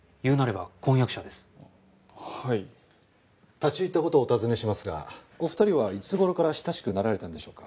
立ち入った事をお尋ねしますがお二人はいつ頃から親しくなられたんでしょうか？